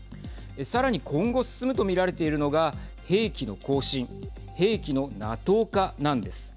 さらに今後進むとみられているのが兵器の更新＝兵器のＮＡＴＯ化なんです。